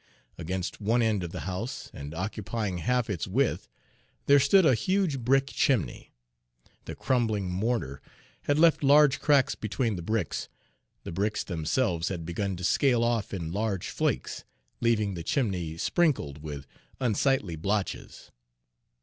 Against one end of the house, and occupying half its width, there stood a huge brick chimney: the crumbling mortar had left large cracks between the bricks; the bricks themselves had begun to scale off in large flakes, leaving the chimney sprinkled with unsightly blotches.